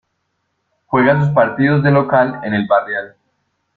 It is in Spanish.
Juega sus partidos de local en El Barrial.